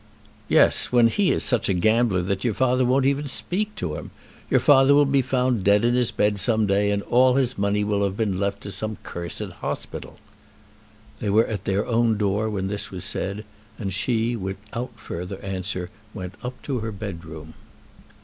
"Yes; when he is such a gambler that your father won't even speak to him. Your father will be found dead in his bed some day, and all his money will have been left to some cursed hospital." They were at their own door when this was said, and she, without further answer, went up to her bedroom.